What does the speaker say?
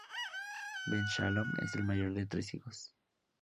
Ben Shalom es el mayor de tres hijos.